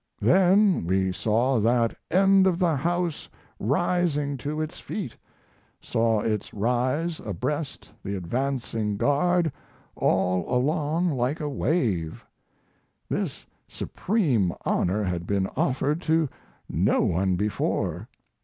Then we saw that end of the house rising to its feet; saw it rise abreast the advancing guard all along like a wave. This supreme honor had been offered to no one before.